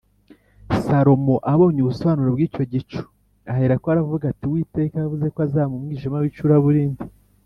salomo abonye ubusobanuro bw’icyo gicu aherako aravuga ati: “uwiteka yavuze ko azaba mu mwijima w’icuraburindi.